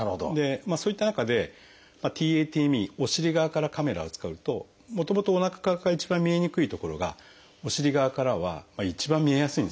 そういった中でＴａＴＭＥお尻側からカメラを使うともともとおなか側から一番見えにくい所がお尻側からは一番見えやすいんですよね。